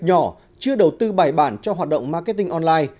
nhỏ chưa đầu tư bài bản cho hoạt động marketing online